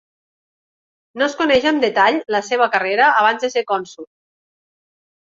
No es coneix amb detall la seva carrera abans de ser cònsol.